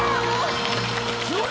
すごい。